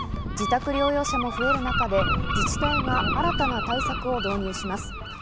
自宅療養者も増える中で自治体が新たな対策を導入します。